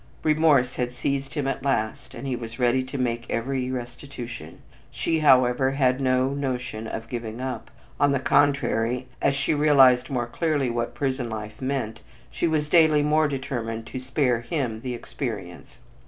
Remorse had seized him at last, and he was ready to make every restitution. She, however, had no notion of giving up on the contrary, as she realized more clearly what prison life meant, she was daily more determined to spare him the experience.